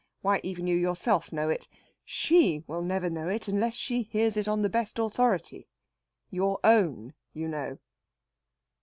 Why, even you yourself know it! She never will know it unless she hears it on the best authority your own, you know."